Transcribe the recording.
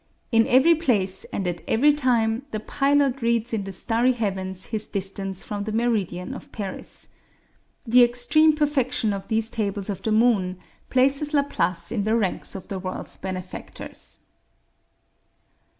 In every place and at every time the pilot reads in the starry heavens his distance from the meridian of Paris. The extreme perfection of these tables of the moon places Laplace in the ranks of the world's benefactors.